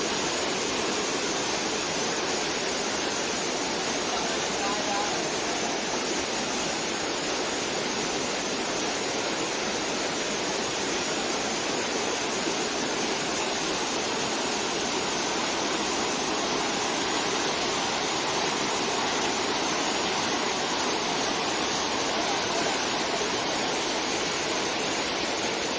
ใครใครใครใครตามสังเกตการณ์ใครใครใครตามสังเกตการณ์หน่อยไป